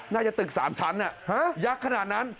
ตึก๓ชั้นยักษ์ขนาดนั้น